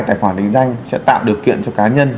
tài khoản định danh sẽ tạo điều kiện cho cá nhân